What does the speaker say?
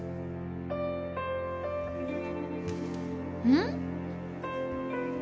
うん？